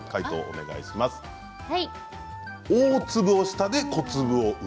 大粒を下で小粒を上。